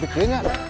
hei kalau enggak neng